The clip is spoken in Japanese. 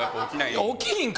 起きひんか？